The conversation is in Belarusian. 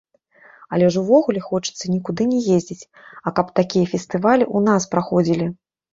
Але ж увогуле хочацца нікуды не ездзіць, а каб такія фестывалі ў нас праходзілі.